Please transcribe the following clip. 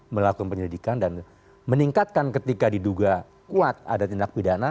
melakukan penyelidikan dan meningkatkan ketika diduga kuat ada tindak pidana